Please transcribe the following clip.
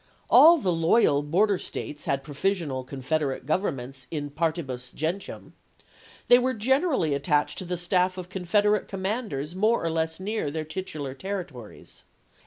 All the loyal border States had provisional Confederate governments in partibus gentium ; they were generally attached to the staff of Confederate commanders more or less near their titular territories.